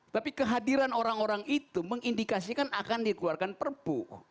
tapi kehadiran orang orang itu mengindikasikan akan dikeluarkan perpu